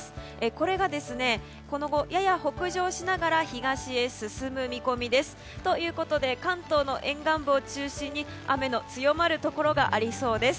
これが、今後やや北上しながら東へ進む見込みです。ということで関東の沿岸部を中心に雨の強まるところがありそうです。